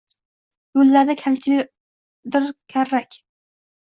Yo‘llarida kamchildir karrak